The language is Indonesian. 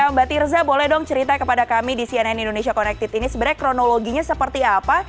mbak tirza boleh dong cerita kepada kami di cnn indonesia connected ini sebenarnya kronologinya seperti apa